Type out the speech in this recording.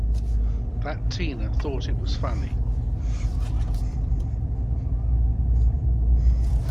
That Tina thought it was funny!